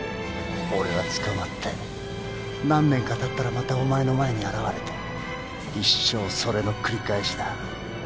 俺は捕まって何年か経ったらまたお前の前に現れて一生それの繰り返しだ。